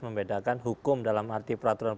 membedakan hukum dalam arti peraturan